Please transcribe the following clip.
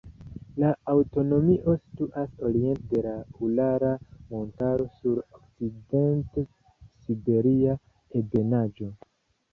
La aŭtonomio situas oriente de la Urala montaro sur la Okcident-Siberia ebenaĵo.